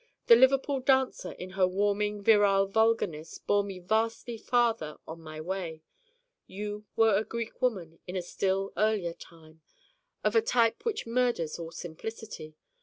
The Liverpool dancer in her warming virile vulgarness bore me vastly farther on my way. You were a Greek woman in a still earlier time of a type which murders all simplicity.